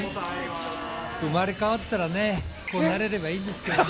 生まれ変わったら、こうなれればいいですけどね。